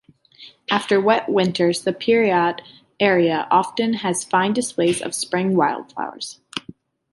After wet winters, the Peridot area often has fine displays of spring wildflowers.